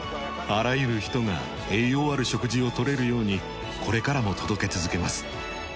あらゆる人が栄養ある食事を取れるようにこれからも届け続けます。